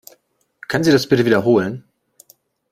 Können Sie das bitte wiederholen?